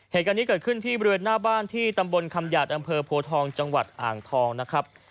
เหตุการณ์นี้เกิดขึ้นที่บริเวณหน้าบ้านที่ตำบลคำหยาดอำเภอโพทองจังหวัดอ่างทองนะครับ